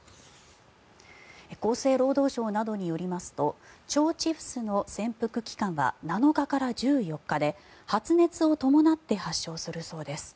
厚生労働省などによりますと腸チフスの潜伏期間は７日から１４日で発熱を伴って発症するそうです。